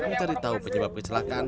mencari tahu penyebab kecelakaan